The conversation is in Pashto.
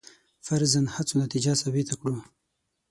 فرضاً هڅو نتیجه ثابته کړو.